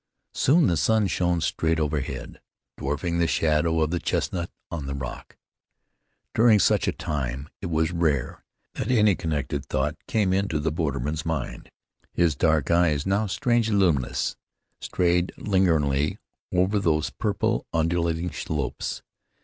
Soon the sun shone straight overhead, dwarfing the shadow of the chestnut on the rock. During such a time it was rare that any connected thought came into the borderman's mind. His dark eyes, now strangely luminous, strayed lingeringly over those purple, undulating slopes.